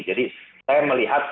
jadi saya melihat